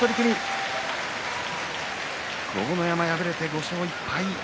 豪ノ山は敗れて５勝１敗。